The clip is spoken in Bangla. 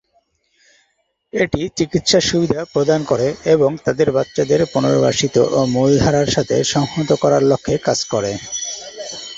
এটি চিকিৎসা সুবিধাও প্রদান করে এবং তাদের বাচ্চাদের পুনর্বাসিত ও মূলধারার সাথে সংহত করার লক্ষ্যে কাজ করে।